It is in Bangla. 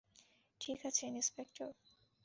ঠিক আছে, ইন্সপেক্টর?